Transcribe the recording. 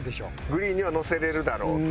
グリーンにはのせれるだろうと？